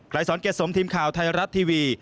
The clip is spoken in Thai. ไกลสอนเกษมทีมข่าวไทยรัตทีวี